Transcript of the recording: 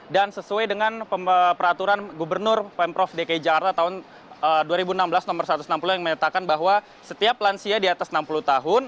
dan sesuai dengan peraturan gubernur pemprov dki jakarta tahun dua ribu enam belas nomor satu ratus enam puluh yang menyatakan bahwa setiap lansia di atas enam puluh tahun